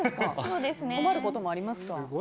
困ることもありますか？